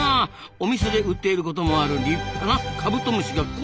お店で売っていることもある立派なカブトムシがこんなにたくさん。